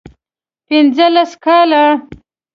پنځه لس کاله